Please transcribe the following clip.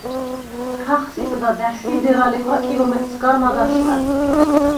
ქახსიპჷდ ა და̈შვდ ი დერალექვა კილომეტრს გარ მად’ აშყა̈დ.